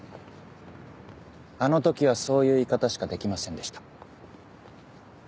あの時はそういう言い方しかできませんでした。